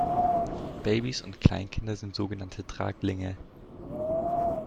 Babys und Kleinkinder sind sogenannte Traglinge.